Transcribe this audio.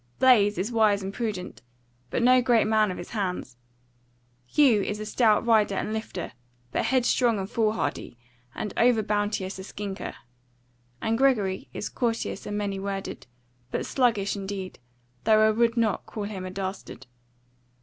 Blaise is wise and prudent, but no great man of his hands. Hugh is a stout rider and lifter, but headstrong and foolhardy, and over bounteous a skinker; and Gregory is courteous and many worded, but sluggish in deed; though I will not call him a dastard.